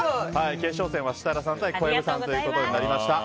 決勝戦は設楽さん対小籔さんとなりました。